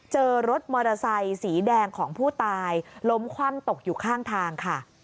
เจอรถมอเตอร์ไซค์สีแดงของผู้ตายล้มคว่ำตกอยู่ข้างทางค่ะ